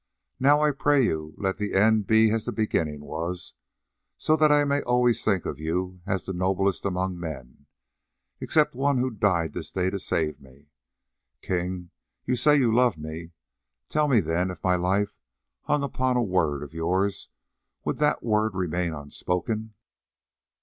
Now I pray you let the end be as the beginning was, so that I may always think of you as the noblest among men, except one who died this day to save me. King, you say you love me; tell me then if my life hung upon a word of yours, would that word remain unspoken?